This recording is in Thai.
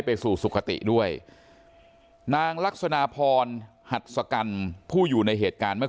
ไปสู่สุขติด้วยนางลักษณะพรหัดสกันผู้อยู่ในเหตุการณ์เมื่อ